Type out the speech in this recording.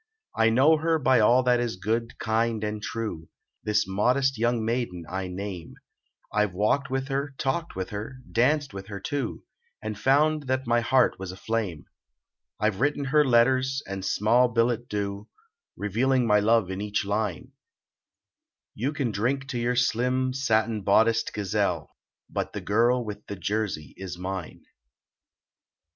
I know her by all that is good, kind and true, This modest young maiden I name; I ve walked with her, talked with her, Danced with her, too, And found that my heart was aflame; I ve written her letters, and small billet doux, Revealing my love in each line: You can drink to your slim, satin bodiced gazelle, But the girl with the jersey is mine.